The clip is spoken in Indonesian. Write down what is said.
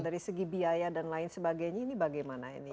dari segi biaya dan lain sebagainya ini bagaimana ini